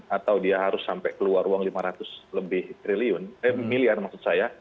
atau dia harus sampai keluar uang lima ratus lebih triliun eh miliar maksud saya